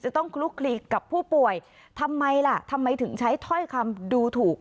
ต้องคลุกคลีกับผู้ป่วยทำไมล่ะทำไมถึงใช้ถ้อยคำดูถูก